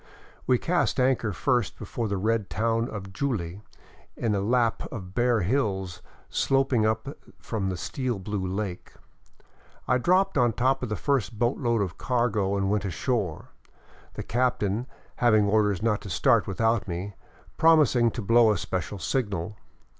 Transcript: We cast anchor first before the red town of Juli, in a lap of bare hills sloping up from the steel blue lake. I dropped on top of the first boatload of cargo and went ashore, the captain, having orders not to start without me, promising to blow a special signal.